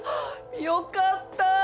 よかったー！